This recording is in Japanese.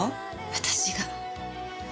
私が！